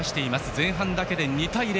前半だけで２対０。